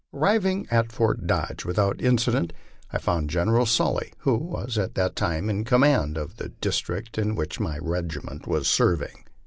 Arriving at Fort Dodge without incident, I found General Sully, who at that time was in command of the district in which my regiment was serving.